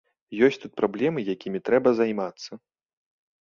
Ёсць тут праблемы, якімі трэба займацца.